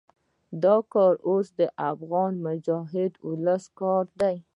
دا کار اوس د افغان مجاهد ولس کار دی.